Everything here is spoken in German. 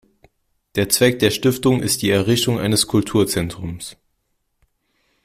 Der Zweck der Stiftung ist die Errichtung eines Kulturzentrums.